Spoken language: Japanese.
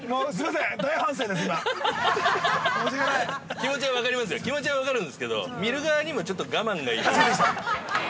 ◆気持ちは分かりますよ、気持ちは分かるんですけど、見る側にもちょっと我慢が要る。